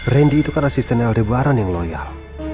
randy itu kan asisten aldebaran yang loyal